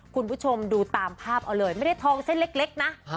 คุณผู้ชมดูตามภาพเอาเลยไม่ได้ทองเส้นเล็กนะ